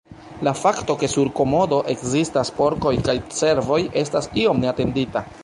La fakto ke sur Komodo ekzistas porkoj kaj cervoj estas iom neatendita.